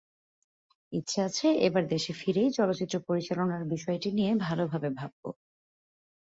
ইচ্ছে আছে এবার দেশের ফিরেই চলচ্চিত্র পরিচালনার বিষয়টি নিয়ে ভালোভাবে ভাবব।